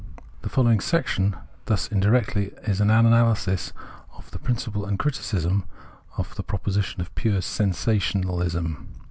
The following section is thus indirectly an analysis of the principle and a criticism of the position of pure sensationalism.